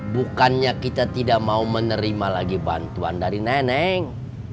bukannya kita tidak mau menerima lagi bantuan dari neneng